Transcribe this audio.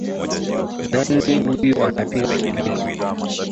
Nani huyo anapiga kelele?